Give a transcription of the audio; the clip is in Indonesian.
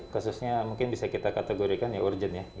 khususnya mungkin bisa kita kategorikan ya urgent ya